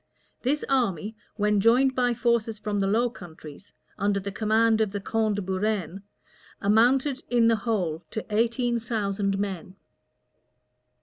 This army, when joined by forces from the Low Countries, under the command of the count de Buren, amounted in the whole to eighteen thousand men.